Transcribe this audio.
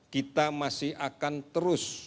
kita masih akan terus